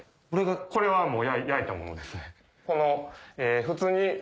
これはもう焼いたものですね。